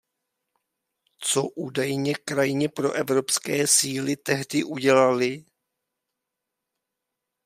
Co údajně krajně proevropské síly tehdy udělaly?